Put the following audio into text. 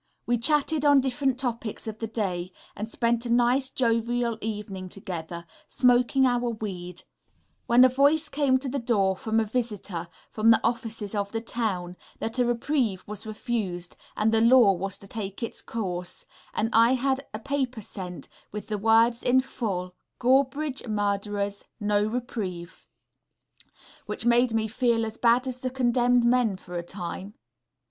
We chatted on different topics of the day, and spent a nice, jovial evening together, smoking our weed; when a voice came to the door from a visitor from the offices of the town, that a reprieve was refused, and the law was to take its course, and I had a paper sent, with the words in full, GOREBRIDGE MURDERERS, NO REPRIEVE, which made me feel as bad as the condemned men for a time.